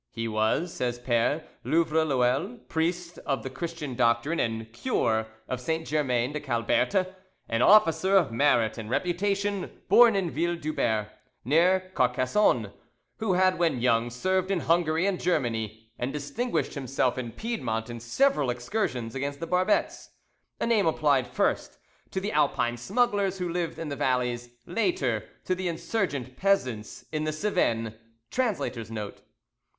"He was," says Pere Louvreloeil, priest of the Christian doctrine and cure of Saint Germain de Calberte, "an officer of merit and reputation, born in Ville Dubert, near Carcassonne, who had when young served in Hungary and Germany, and distinguished himself in Piedmont in several excursions against the Barbets, [ A name applied first to the Alpine smugglers who lived in the valleys, later to the insurgent peasants in the Cevennes.—Translator's Note.